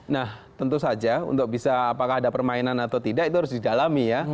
nah tentu saja untuk bisa apakah ada permainan atau tidak itu harus didalami ya